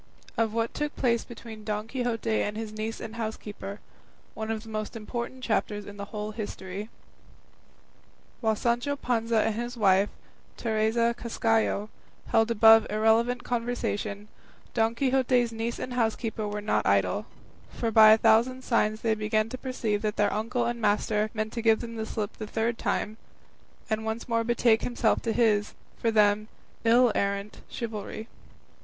OF WHAT TOOK PLACE BETWEEN DON QUIXOTE AND HIS NIECE AND HOUSEKEEPER; ONE OF THE MOST IMPORTANT CHAPTERS IN THE WHOLE HISTORY While Sancho Panza and his wife, Teresa Cascajo, held the above irrelevant conversation, Don Quixote's niece and housekeeper were not idle, for by a thousand signs they began to perceive that their uncle and master meant to give them the slip the third time, and once more betake himself to his, for them, ill errant chivalry.